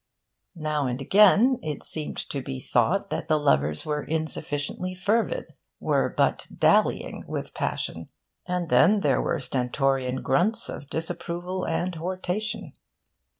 Now and again, it seemed to be thought that the lovers were insufficiently fervid were but dallying with passion; and then there were stentorian grunts of disapproval and hortation.